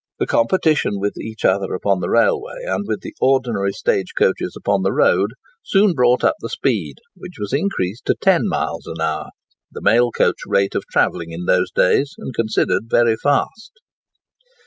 The competition with each other upon the railway, and with the ordinary stagecoaches upon the road, soon brought up the speed, which was increased to ten miles an hour—the mail coach rate of travelling in those days, and considered very fast.